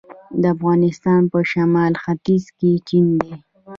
د افغانستان په شمال ختیځ کې چین دی